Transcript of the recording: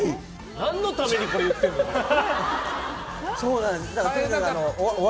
何のためにこれ言ってるのよ。